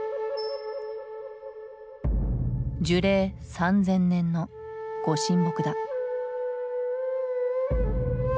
樹齢３，０００年の御神木だ。